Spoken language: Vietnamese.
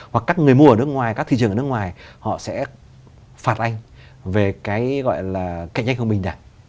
hoặc các người mua ở nước ngoài các thị trường ở nước ngoài họ sẽ phạt anh về cái gọi là cạnh tranh không bình đẳng